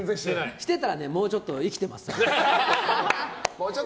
してたらもうちょっと生きてますよ。